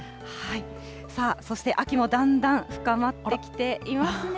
さあ、そして秋もだんだん深まってきていますね。